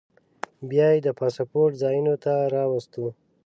بیا یې د پاسپورټ ځایونو ته راوستو.